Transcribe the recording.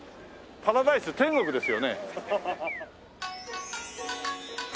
パラダイス天国ですよね。